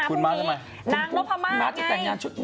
พี่ม้ามาพรุ่งนี้นางนพม่าไง